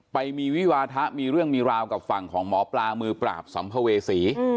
ไปมีวิวาทะมีเรื่องมีราวกับฝั่งของหมอปลามือปราบสัมภเวษี